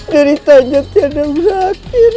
dari tanya tiada berakhir